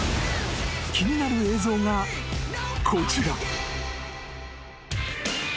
［気になる映像がこちら］